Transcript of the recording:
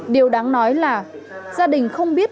điều đáng nói là gia đình không biết